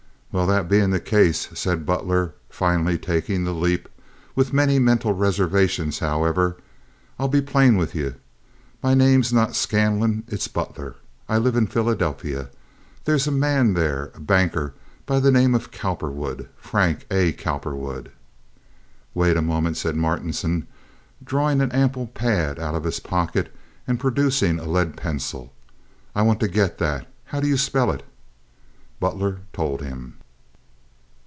"Well, that bein' the case," said Butler, finally taking the leap, with many mental reservations, however, "I'll be plain with you. My name's not Scanlon. It's Butler. I live in Philadelphy. There's a man there, a banker by the name of Cowperwood—Frank A. Cowperwood—" "Wait a moment," said Martinson, drawing an ample pad out of his pocket and producing a lead pencil; "I want to get that. How do you spell it?" Butler told him.